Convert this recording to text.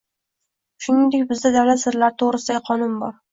Shuningdek, bizda «Davlat sirlari to‘g‘risida»gi qonun bor.